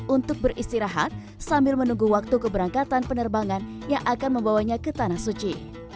untuk beristirahat sambil menunggu waktu keberangkatan penerbangan yang akan membawanya ke tanah suci